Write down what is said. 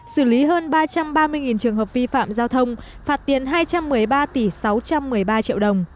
xử lý hơn ba trăm ba mươi trường hợp vi phạm giao thông phạt tiền hai trăm một mươi ba tỷ sáu trăm một mươi ba triệu đồng